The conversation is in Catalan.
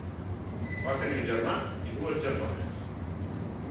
Va tenir un germà i dues germanes.